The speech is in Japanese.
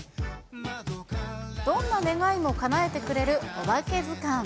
どんな願いもかなえてくれるおばけずかん。